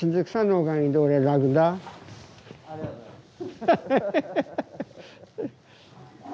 ありがとうございます。